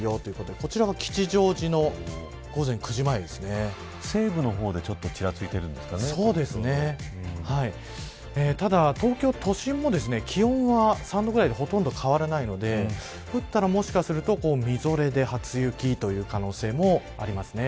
こちらが吉祥寺の西部の方で、ちょっとただ、東京都心も気温は３度ぐらいでほとんど変わらないので降ったら、もしかするとみぞれで初雪という可能性もありますね。